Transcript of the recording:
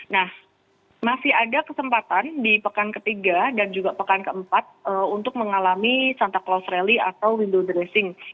nah masih ada kesempatan di pekan ketiga dan juga pekan keempat untuk mengalami santa close rally atau window dressing